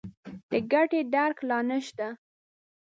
د ګټې درک لا نه شته.